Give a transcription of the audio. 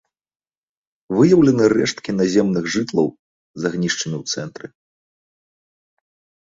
Выяўлены рэшткі наземных жытлаў з агнішчамі ў цэнтры.